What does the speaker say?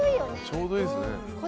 ちょうどいいですね。